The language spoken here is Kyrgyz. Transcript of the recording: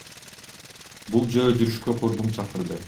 Бул жөө жүрүшкө курбум чакырды.